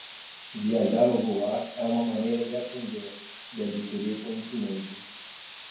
Viajar ou voar é uma maneira de aprender, de adquirir conhecimento.